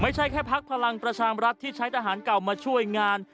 ไม่ใช่แค่พักพลังประชามรัฐที่ใช้ทหารเก่ามาช่วยงาน